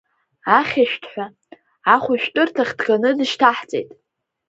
Ахьышәҭҳәа ахәышәтәырҭахь дганы дышьҭаҳҵеит.